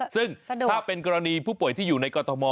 ซึ่งถ้าเป็นกรณีผู้ป่วยที่อยู่ในกรทม